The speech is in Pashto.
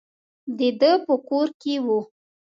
د ده په کور کې وو.